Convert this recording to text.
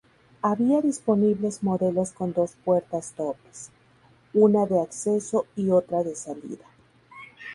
Había disponibles modelos con dos puertas dobles, una de acceso y otra de salida.